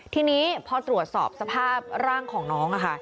ทีนี้พอตรวจสอบสภาพร่างของน้องค่ะ